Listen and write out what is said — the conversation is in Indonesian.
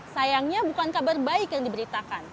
sayangnya bukan kabar baik yang diberitakan